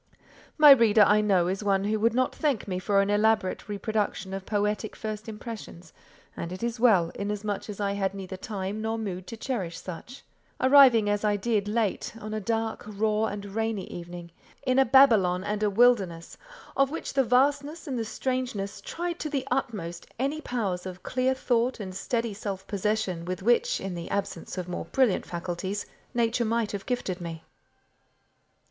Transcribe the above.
My reader, I know, is one who would not thank me for an elaborate reproduction of poetic first impressions; and it is well, inasmuch as I had neither time nor mood to cherish such; arriving as I did late, on a dark, raw, and rainy evening, in a Babylon and a wilderness, of which the vastness and the strangeness tried to the utmost any powers of clear thought and steady self possession with which, in the absence of more brilliant faculties, Nature might have gifted me.